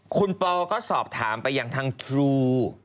คุณปอก็สอบถามไปอย่างทางครู